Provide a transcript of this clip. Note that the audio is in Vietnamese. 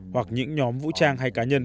hoặc những nhóm vũ trang hay cá nhân